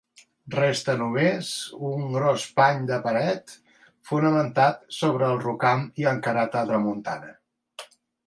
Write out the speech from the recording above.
Resta només un gros pany de paret, fonamentat sobre el rocam i encarat a tramuntana.